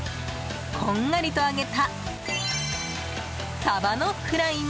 こんがりと揚げたサバのフライも。